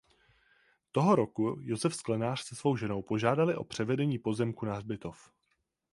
Toho roku Josef Sklenář se svou ženou požádali o převedení pozemku na hřbitov.